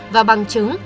và bằng chứng